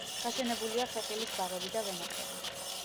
გაშენებულია ხეხილის ბაღები და ვენახები.